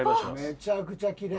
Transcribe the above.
めちゃくちゃ奇麗。